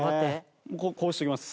こうしておきます。